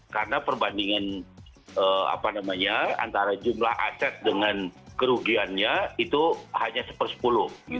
karena perbandingan antara jumlah aset dengan kerugiannya itu hanya seperspuluh